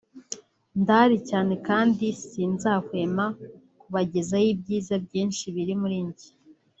ndahari cyane kandi sinzahwema kubagezaho ibyiza byinshi biri muri njye